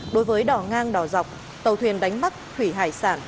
đối với đỏ ngang đỏ dọc tàu thuyền đánh bắt thủy hải sản